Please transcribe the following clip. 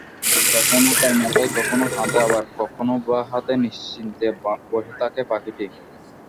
কখনো তাঁর মাথায়, কখনো কাঁধে, আবার কখনোবা হাতে নিশ্চিন্তে বসে থাকে পাখিটি।